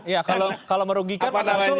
ya kalau merugikan mas arsul